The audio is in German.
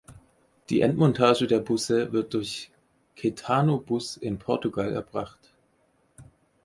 Die Endmontage der Busse wird durch Caetano Bus in Portugal erbracht.